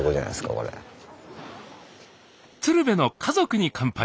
「鶴瓶の家族に乾杯」。